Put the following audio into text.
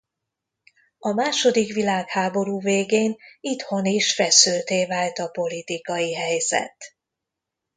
A második világháború végén itthon is feszültté vált a politikai helyzet.